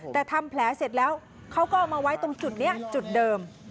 แต่ทำแผลเสร็จแล้วเขาก็เอามาไว้ตรงจุดนี้จุดเดิม